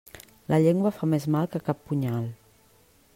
La llengua fa més mal que cap punyal.